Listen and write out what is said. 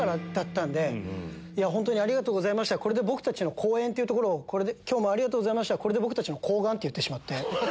「本当にありがとうございました僕たちの公演」って言うとこを「今日もありがとうございました僕たちの睾丸」と言ってしまって。